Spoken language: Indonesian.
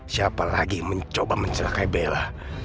siapa lagi mencoba mencerakai bella